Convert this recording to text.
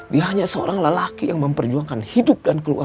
dia hanya seorang lelaki yang memperjuangkan hidup dan keluarga